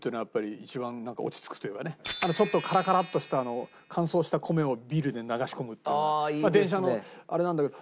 ちょっとカラカラッとした乾燥した米をビールで流し込むっていうのが電車のあれなんだけど。